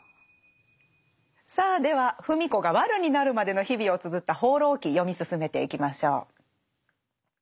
さあでは芙美子がワルになるまでの日々をつづった「放浪記」読み進めていきましょう。